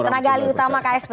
tenaga ali utama ksp